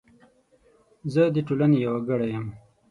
زه د ټولنې یو وګړی یم .